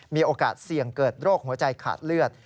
มีโอกาสเสี่ยงเกิดโรคหัวใจขาดเลือด